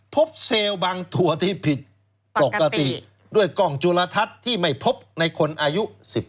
เซลล์บางถั่วที่ผิดปกติด้วยกล้องจุลทัศน์ที่ไม่พบในคนอายุ๑๙